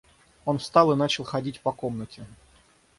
Он встал и начал ходить по комнате.